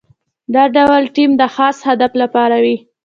دا ډول ټیم د خاص هدف لپاره وي.